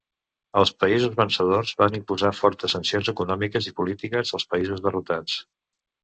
Els països vencedors van imposar fortes sancions econòmiques i polítiques als països derrotats.